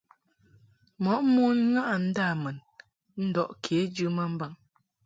Mɔʼ mon ŋaʼɨ ndâmun ndɔʼ kejɨ ma mbaŋ.